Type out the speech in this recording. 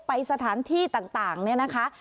ไปสถานที่ต่างเนี่ยนะคะ